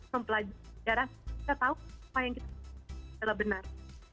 mempelajari sejarah kita tahu apa yang kita lakukan adalah benar